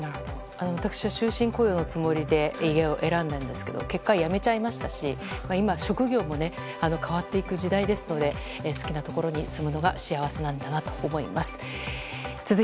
私は終身雇用のつもりで家を選んだんですけど結果、辞めちゃいましたし今は職業も変わっていく時代ですので好きなところに住むのが幸せなんだなと思います。